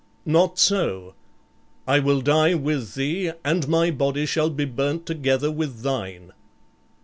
Not so: I will die with thee and my body shall be burnt together with thine."